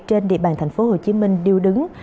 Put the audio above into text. trên địa bàn tp hcm điêu đứng